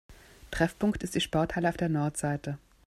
Treffpunkt ist die Sporthalle auf der Nordseite.